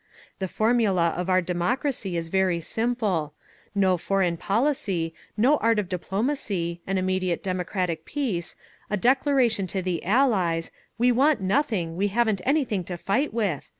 "The formula of our democracy is very simple; no foreign policy, no art of diplomacy, an immediate democratic peace, a declaration to the Allies, 'We want nothing, we haven't anything to fight with!